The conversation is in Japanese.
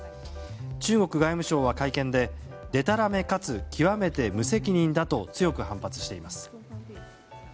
中国外務省は会見ででたらめかつ極めて無責任だと強く反発しています。